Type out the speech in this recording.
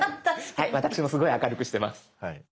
はい私もすごい明るくしてます。